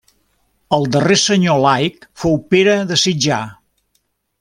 El darrer senyor laic fou Pere de Sitjar.